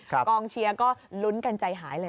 กองเชียร์ก็ลุ้นกันใจหายเลย